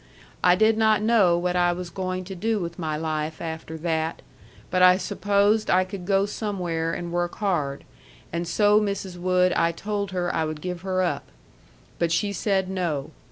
I did not know what I was going to do with my life after that but I supposed I could go somewhere and work hard and so Mrs. Wood I told her I would give her up. But she said no.